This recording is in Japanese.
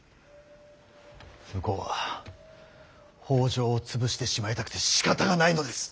向こうは北条を潰してしまいたくてしかたがないのです。